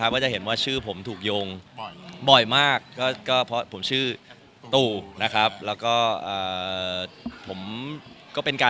ถ้ามีหิวมันจะที่ต้องเชื่อให้เค้า